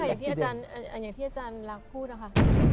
ใช่ค่ะอย่างที่อาจารย์ลากพูดนะคะ